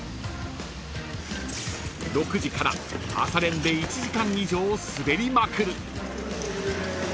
［６時から朝練で１時間以上滑りまくる］